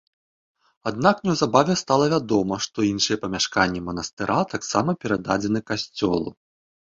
Аднак неўзабаве стала вядома, што іншыя памяшканні манастыра таксама перададзены касцёлу.